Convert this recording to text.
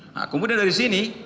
nah kemudian dari sini